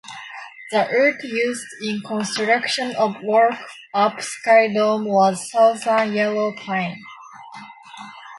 The wood used in construction of Walkup Skydome was Southern Yellow Pine.